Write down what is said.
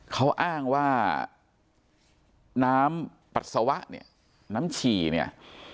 เขาอ้างว่าน้ำปัสสาวะเนี่ยน้ำฉี่เนี่ย